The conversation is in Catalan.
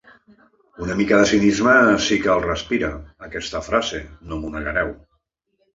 Una mica de cinisme sí que el respira, aquesta frase, no m’ho negareu.